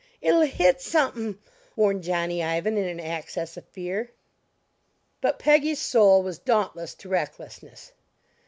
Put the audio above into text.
"It'll hit somepin!" warned Johnny Ivan in an access of fear. But Peggy's soul was dauntless to recklessness.